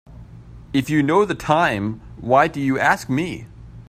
If you know the time why do you ask me?